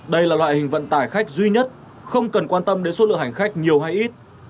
đây là loại hình vận tải khách duy nhất không cần quan tâm đến số lượng hành khách nhiều hay ít